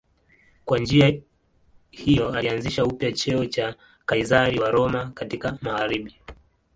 Kwa njia hiyo alianzisha upya cheo cha Kaizari wa Roma katika magharibi.